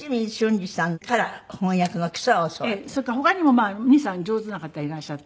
それから他にもまあ２３上手な方いらっしゃって。